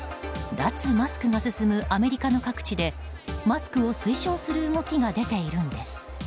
脱マスクが進むアメリカの各地でマスクを推奨する動きが出ているんです。